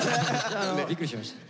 びっくりしました。